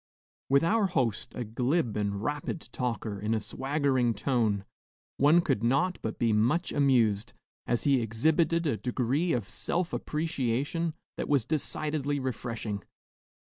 With our host, a glib and rapid talker in a swaggering tone, one could not but be much amused, as he exhibited a degree of self appreciation that was decidedly refreshing.